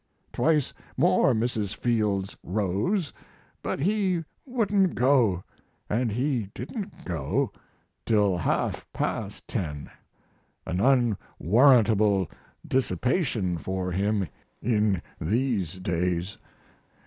Twice more Mrs. Fields rose, but he wouldn't go & he didn't go till half past 10 an unwarrantable dissipation for him in these days.